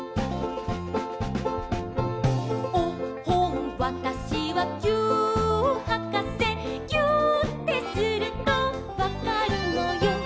「おっほんわたしはぎゅーっはかせ」「ぎゅーってするとわかるのよ」